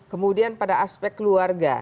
kemudian pada aspek keluarga